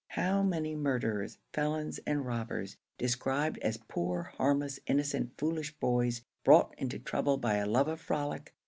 How many murderers, felons, and robbers, described as poor harmless, innocent, foolish boys, brought into trouble by a love of frolic!